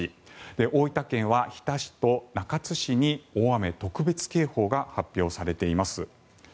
大分県は日田市と中津市に大雨特別警報が発表されています。